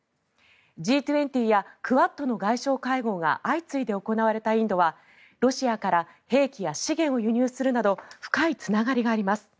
Ｇ２０やクアッドの外相会合が相次いで行われたインドはロシアから兵器や資源を輸入するなど深いつながりがあります。